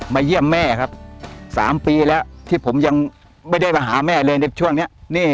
เยี่ยมแม่ครับ๓ปีแล้วที่ผมยังไม่ได้มาหาแม่เลยในช่วงนี้